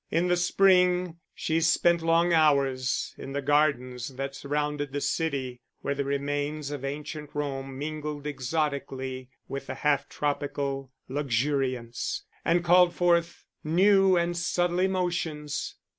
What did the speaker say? In the spring she spent long hours in the gardens that surround the city, where the remains of ancient Rome mingled exotically with the half tropical luxuriance, and called forth new and subtle emotions.